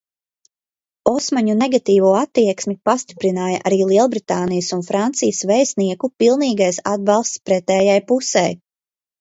Osmaņu negatīvo attieksmi pastiprināja arī Lielbritānijas un Francijas vēstnieku pilnīgais atbalsts pretējai pusei.